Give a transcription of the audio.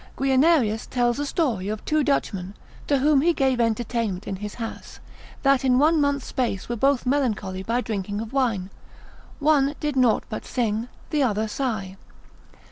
Guianerius, tract. 15. c. 2, tells a story of two Dutchmen, to whom he gave entertainment in his house, that in one month's space were both melancholy by drinking of wine, one did nought but sing, the other sigh.